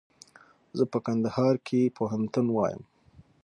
زه په کندهار کښي پوهنتون وایم.